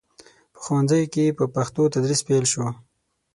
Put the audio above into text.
په ښوونځیو کې په پښتو تدریس پیل شو.